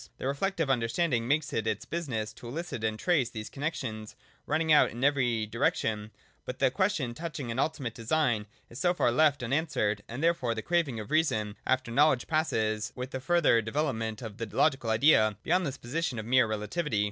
The reflective understanding makes it its business to elicit and trace these connexions running out in every direction ; but the question touching an ultimate design is so far left un answered, and therefore the craving of the reason after knowledge passes with the further development of the logical Idea beyond this position of mere relativity.